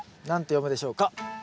何て読むでしょうか？